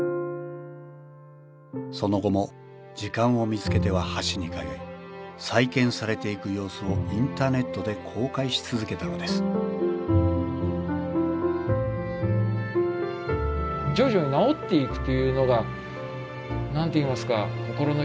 その後も時間を見つけては橋に通い再建されていく様子をインターネットで公開し続けたのですそれからかつての姿を取り戻した赤い鉄橋。